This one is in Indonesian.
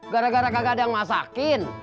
gara gara kakak ada yang masakin